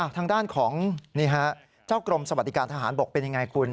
ทางด้านของเจ้ากรมสวัสดิการทหารบกเป็นยังไงคุณ